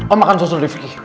om makan sosol rifqi